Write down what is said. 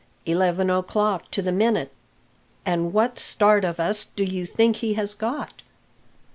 "Eleven o'clock to the minute." "And what start of us do you think he has got?"